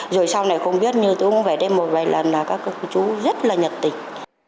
rồi sau này không biết như tôi cũng về đêm một vài lần là các chú rất là nhật tình